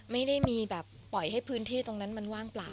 ไม่ได้มีแบบปล่อยให้พื้นที่ตรงนั้นมันว่างเปล่า